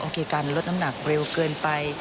การลดน้ำหนักเร็วเกินไป